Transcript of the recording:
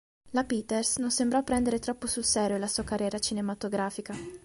La Peters non sembrò prendere troppo sul serio la sua carriera cinematografica.